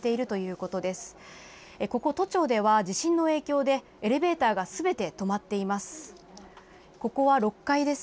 ここ都庁では地震の影響でエレベーターがすべて止まっています。